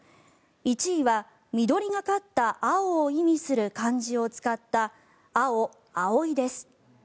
１位は緑がかった青を意味する漢字を使った碧、あお、あおいです。